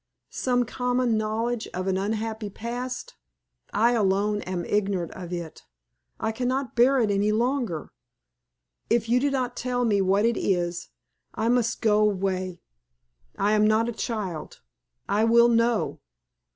Some common knowledge of an unhappy past? I alone am ignorant of it; I cannot bear it any longer. If you do not tell me what it is I must go away. I am not a child I will know!"